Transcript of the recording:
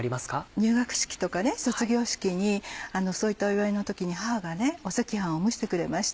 入学式とか卒業式にそういったお祝いの時に母が赤飯を蒸してくれました。